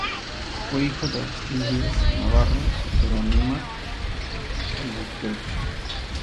Fue hijo de Agustín Díez Navarro y Jerónima Albuquerque.